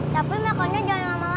tapi makanannya jangan lama lama